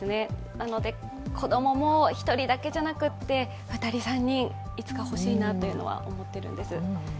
なので、子供も１人だけじゃなくって、２人、３人いつかほしいなというのは思っているんです。